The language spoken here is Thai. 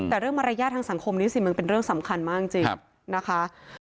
แต่เรื่องมารยาททางสังคมนี้สิมันเป็นเรื่องสำคัญมากจริงนะคะ